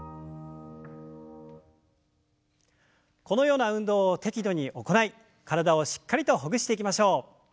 このような運動を適度に行い体をしっかりとほぐしていきましょう。